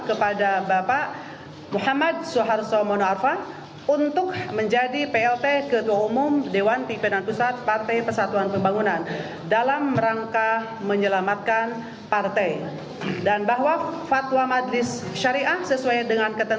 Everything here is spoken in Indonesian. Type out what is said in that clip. kepada pemerintah saya ingin mengucapkan terima kasih kepada pemerintah pemerintah yang telah menonton